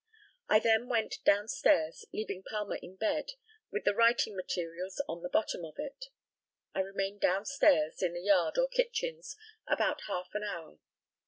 I then went down stairs, leaving Palmer in bed, with the writing materials on the bottom of it. I remained downstairs, in the yard or kitchen, about half an hour.